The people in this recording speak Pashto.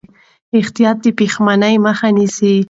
احتیاط د پښېمانۍ مخه نیسي.